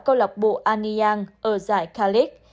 cầu lọc bộ anyang ở giải kalik